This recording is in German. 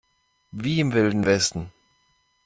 Wie im Wilden Westen!